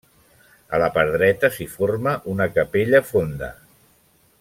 A la part dreta s'hi forma una capella fonda.